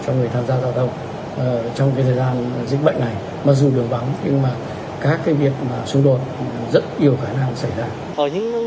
người ta thấy cũng vượt được